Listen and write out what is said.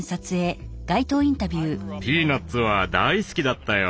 「ピーナッツ」は大好きだったよ。